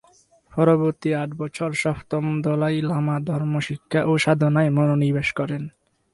পরবর্তী আট বছর সপ্তম দলাই লামা ধর্ম শিক্ষা ও সাধনায় মনোনিবেশ করেন।